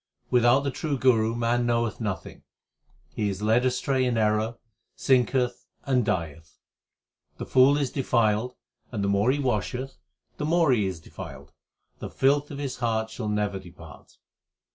Without the true Guru man knoweth nothing ; he is led astray in error, sinketh, and dieth. The fool is defiled, and the more he washeth, the more is he defiled ; the filth of his heart shall never depart.